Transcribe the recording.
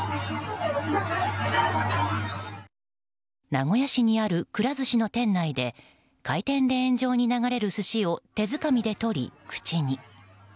名古屋市にあるくら寿司の店内で回転レーン上に流れる寿司を手づかみで取り、口に。